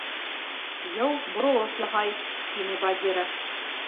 — Йыл боролош яһай, — тине Багира.